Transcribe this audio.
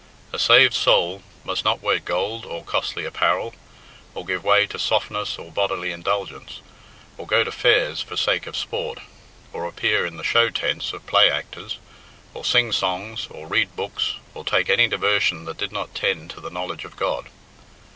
A saved soul must not wear gold or costly apparel, or give way to softness or bodily indulgence, or go to fairs for sake of sport, or appear in the show tents of play actors, or sing songs, or read books, or take any diversion that did not tend to the knowledge of God.